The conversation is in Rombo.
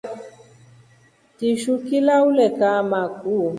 Kishu Kilya ule kama kuu.